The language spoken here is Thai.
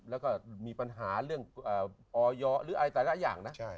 แล้วก็มีปัญหาเรื่องออยหรืออะไรแต่ละอย่างนะ